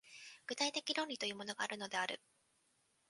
具体的論理というものがあるのである。